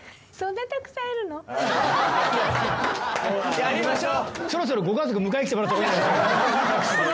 やりましょう。